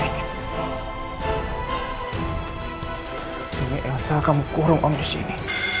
ini yang saya akan mengurung om disini